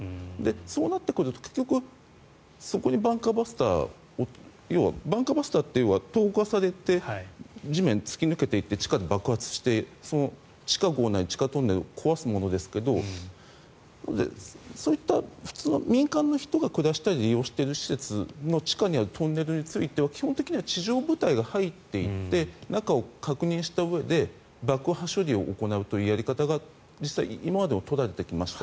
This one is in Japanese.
そうなってくると結局そこにバンカーバスターを要はバンカーバスターって投下されて地面を突き抜けていって地下で爆発してその地下壕や地下トンネルを壊すものですけどそういった民間の人が暮らしたり利用している施設はトンネルについては、基本的には地上部隊が入っていって中を確認したうえで爆破処理を行うというやり方が実際、今まで取られてきました。